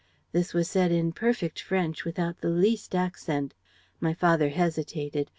This was said in perfect French without the least accent. ... My father hesitated.